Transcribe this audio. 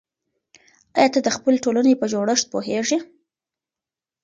آیا ته د خپلې ټولنې په جوړښت پوهېږې؟